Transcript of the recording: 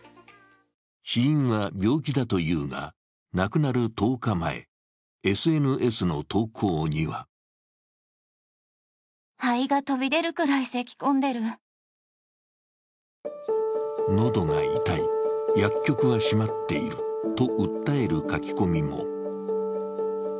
死因は病気だというが、亡くなる１０日前、ＳＮＳの投稿には喉が痛い、薬局は閉まっていると訴える書き込みも。